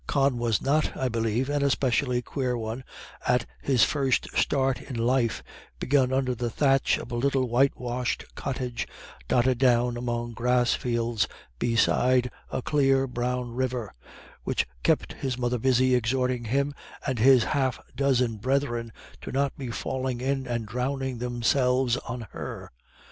Con was not, I believe, an especially quare one at his first start in life, begun under the thatch of a little whitewashed cottage, dotted down among grass fields beside a clear, brown river, which kept his mother busy exhorting him and his half dozen brethren to not be falling in and drowning themselves on her.